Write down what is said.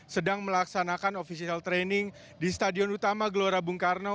sedang melaksanakan official training di stadion utama gelora bung karno